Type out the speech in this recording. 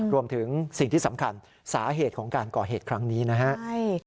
รวมถึงสิ่งที่สำคัญสาเหตุของการก่อเหตุครั้งนี้นะครับ